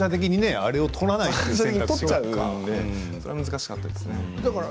あれは難しかったですね。